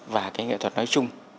và cái nghệ thuật nói chung